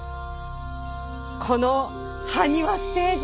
この埴輪ステージですよ。